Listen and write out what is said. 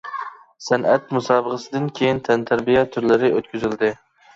سەنئەت مۇسابىقىسىدىن كىيىن تەنتەربىيە تۈرلىرى ئۆتكۈزۈلدى.